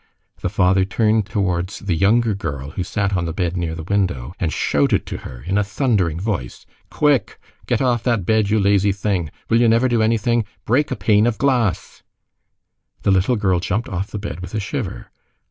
The father turned towards the younger girl who sat on the bed near the window, and shouted to her in a thundering voice:— "Quick! get off that bed, you lazy thing! will you never do anything? Break a pane of glass!" The little girl jumped off the bed with a shiver.